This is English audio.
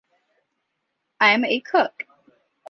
I’m a cook.